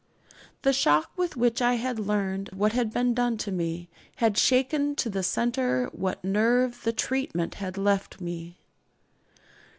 The shock with which I had learned what had been done to me had shaken to the centre what nerve the 'treatment' had left me.